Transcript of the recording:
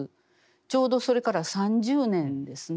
ちょうどそれから３０年ですね